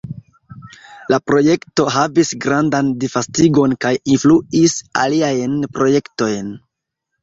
La projekto havis grandan disvastigon kaj influis aliajn projektojn.